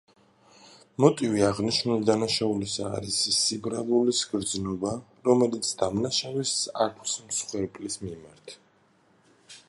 მოტივი აღნიშნული დანაშაულისა არის სიბრალულის გრძნობა, რომელიც დამნაშავეს აქვს მსხვერპლის მიმართ.